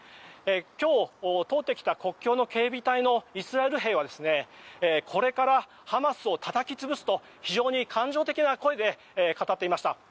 今日、通ってきた国境の警備隊のイスラエル兵はこれからハマスをたたき潰すと非常に感情的な声で語っていました。